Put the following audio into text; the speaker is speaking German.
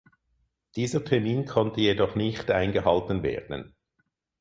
Dieser Termin konnte jedoch nicht eingehalten werden.